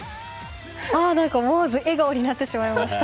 思わず笑顔になってしまいました。